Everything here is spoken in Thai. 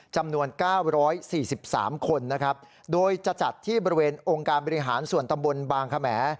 จำนวน๙๔๓คนนะครับโดยจะจัดที่บริเวณองค์การบริหารส่วนตำบลบางขม